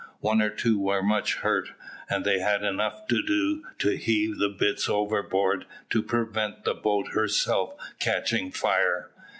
One or two were much hurt, and they had enough to do to heave the bits overboard to prevent the boat herself catching fire.